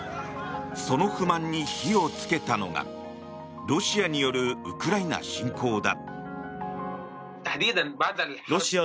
その不満に火をつけたのがロシアによるウクライナ侵攻だ。